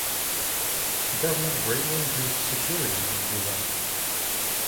The government greatly increased security in Juba.